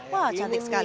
wah cantik sekali